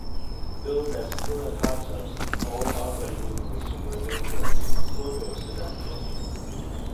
Billed as "pillared hardtops", all R-body vehicles were available as four-door sedans only.